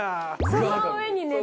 その上に寝たい！